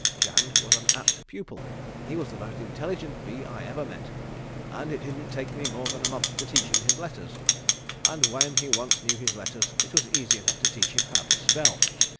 Jang was an apt pupil. He was the most intelligent bee I ever met, and it didn't take me more than a month to teach him his letters, and when he once knew his letters it was easy enough to teach him how to spell.